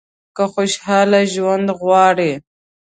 که خوشاله ژوند غواړئ .